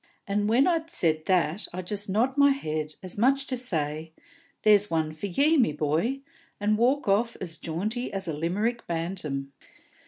And, when I'd said that, I just nod my head, as much as to say, 'There's one for ye, me boy!' and walk off as jaunty as a Limerick bantam."